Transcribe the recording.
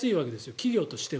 企業としては。